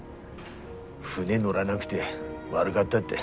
船乗らなくて悪がったって。